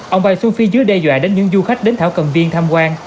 ông bảo vệ xuân phi dưới đe dọa đến những du khách đến thảo cầm viên tham quan